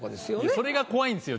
それが怖いんですよ